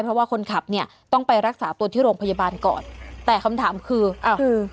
เพราะว่าคนขับเนี่ยต้องไปรักษาตัวที่โรงพยาบาลก่อนแต่คำถามคืออ้าวคือ